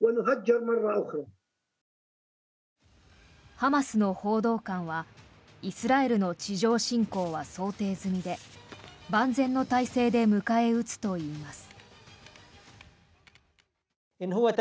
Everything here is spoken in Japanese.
ハマスの報道官はイスラエルの地上侵攻は想定済みで万全の態勢で迎え撃つといいます。